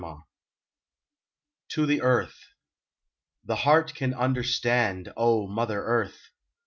95 II TO THE EARTH THE heart can understand, oh, Mother Earth